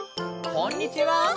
こんにちは！